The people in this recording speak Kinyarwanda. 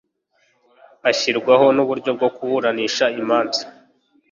hashyirwaho n'uburyo bwo kuburanisha imanza